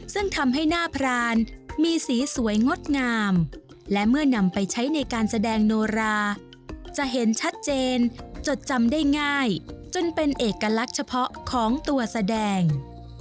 ซึ่งทำให้หน้าพรานมีสีสวยงดงามและเมื่อนำไปใช้ในการแสดงโนราจะเห็นชัดเจนจดจำได้ง่ายจนเป็นเอกลักษณ์เฉพาะของตัวแสดง